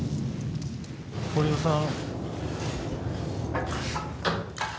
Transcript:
堀尾さん。